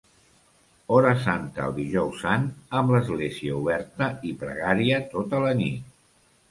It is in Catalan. Hora Santa el Dijous Sant, amb l'església oberta i pregària tota la nit.